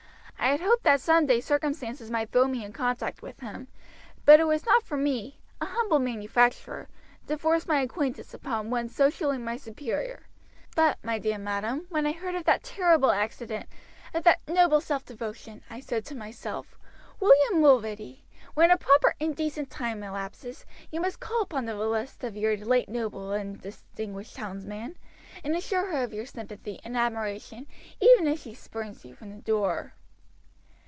I had hoped that some day circumstances might throw me in contact with him, but it was not for me, a humble manufacturer, to force my acquaintance upon one socially my superior; but, my dear madam, when I heard of that terrible accident, of that noble self devotion, I said to myself, 'William Mulready, when a proper and decent time elapses you must call upon the relict of your late noble and distinguished townsman, and assure her of your sympathy and admiration, even if she spurns you from the door.'"